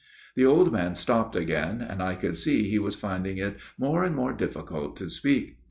The old man stopped again, and I could see he was finding it more and more difficult to speak.